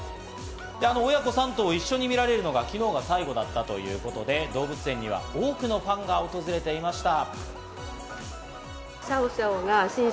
親子３頭を一緒に見られるのが昨日が最後だったということで、動物園には多くのファンが訪れていました。